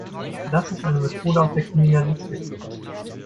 Das ist eine Methode aus der Kriminalistik.